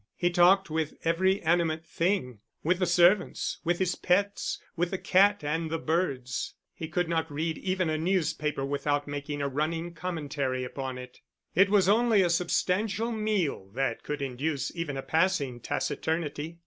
He talked with every animate thing, with the servants, with his pets, with the cat and the birds; he could not read even a newspaper without making a running commentary upon it. It was only a substantial meal that could induce even a passing taciturnity.